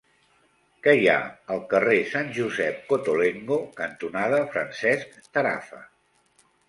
Què hi ha al carrer Sant Josep Cottolengo cantonada Francesc Tarafa?